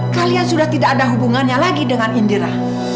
kalian sudah tidak ada hubungannya lagi dengan indira